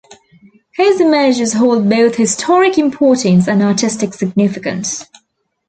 His images hold both historic importance and artistic significance.